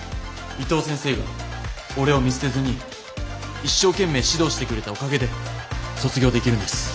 伊藤先生が俺を見捨てずに一生懸命指導してくれたおかげで卒業できるんです。